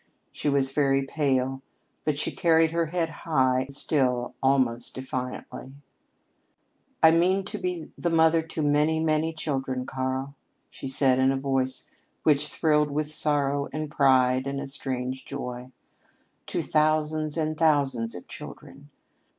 She was very pale, but she carried her head high still almost defiantly. "I mean to be the mother to many, many children, Karl," she said in a voice which thrilled with sorrow and pride and a strange joy. "To thousands and thousands of children.